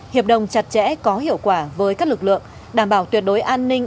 hiệp đồng chặt chẽ có hiệu quả với các lực lượng đảm bảo tuyệt đối an ninh